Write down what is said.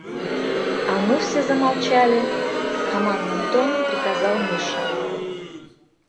«А ну все замолчали!» — командным тоном приказал Миша.